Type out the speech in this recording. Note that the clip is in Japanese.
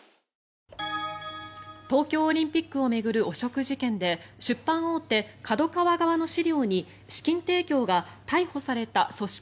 東京オリンピックを巡る汚職事件で出版大手ＫＡＤＯＫＡＷＡ側の資料に資金提供が逮捕された組織